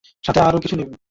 সাথে আরও কিছু নিবো।